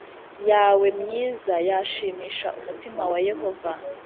yawe myiza yashimisha umutima wa Yehova